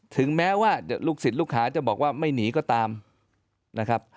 ถึงแม้ว่าลูกศิษย์ลูกค้าจะบอกว่าไม่หนีก็ตามนะครับ